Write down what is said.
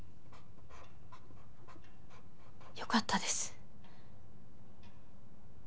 良かったです。